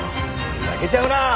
やけちゃうなあ！